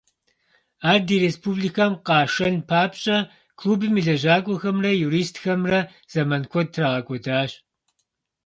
Ар ди республикэм къашэн папщӀэ, клубым и лэжьакӀуэхэмрэ юристхэмрэ зэман куэд трагъэкӀуэдащ.